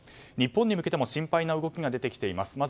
日本に向けても心配な動きが出ています。